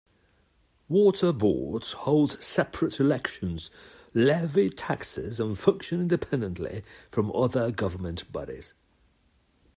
Water boards hold separate elections, levy taxes, and function independently from other government bodies.